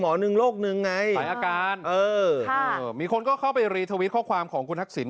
หมอนึงโรคนึงไงใส่อาการเออค่ะมีคนก็เข้าไปข้อความของคุณทักสิน